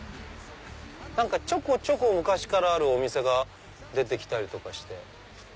何かちょこちょこ昔からあるお店が出てきたりとかして。